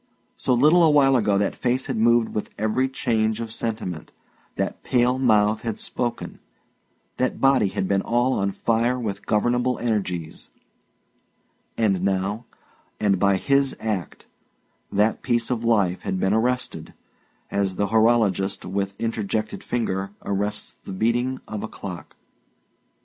So little a while ago that face had moved with every change of sentiment, that pale mouth had spoken, that body had been all on fire with governable energies; and now, and by his act, that piece of life had been arrested, as the horologist, with interjected finger, arrests the beating of the clock.